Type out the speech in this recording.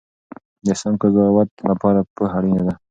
د سم قضاوت لپاره پوهه اړینه ده.